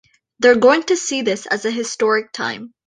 They're going to see this as an historic time.